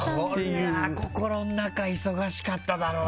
心の中忙しかっただろうな。